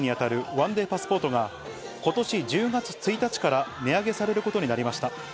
１デーパスポートが、ことし１０月１日から値上げされることになりました。